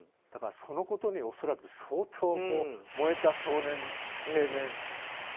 だから、そのことに恐らく相当燃えた少年、青年。